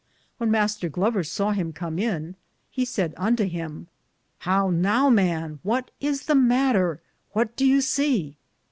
When Mr. Glover saw him com in, he sayd unto him : How now, man, what is the matter, who do you se ?